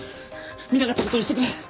見なかった事にしてくれ。